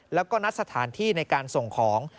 แล้วก็นัดสถานที่ในการส่งของ